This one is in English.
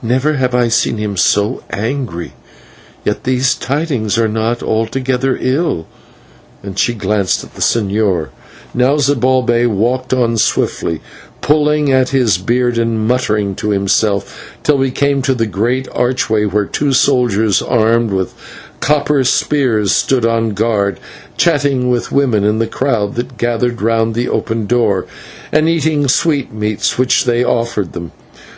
Never have I seen him so angry. Yet these tidings are not altogether ill," and she glanced at the señor. Now Zibalbay walked on swiftly, pulling at his beard and muttering to himself, till we came to a great archway where two soldiers armed with copper spears stood on guard, chatting with women in the crowd that gathered round the open door, and eating sweetmeats which they offered them.